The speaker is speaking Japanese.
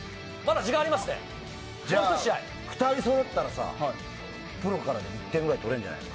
じゃあ２人そろったらさプロからでも１点ぐらいとれるんじゃない？